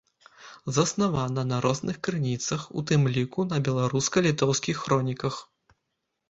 Заснавана на розных крыніцах, у тым ліку на беларуска-літоўскіх хроніках.